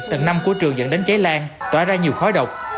tầng năm của trường dẫn đến cháy lan tỏa ra nhiều khói độc